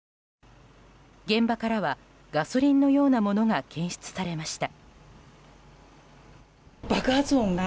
現場からはガソリンのようなものが検出されました。